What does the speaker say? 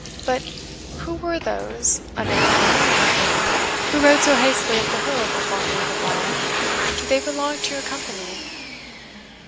But who were those, a man and a woman, I think, who rode so hastily up the hill before me even now? Do they belong to your company?"